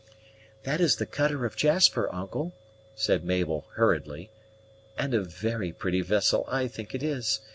"That is the cutter of Jasper, uncle," said Mabel hurriedly; "and a very pretty vessel I think it is.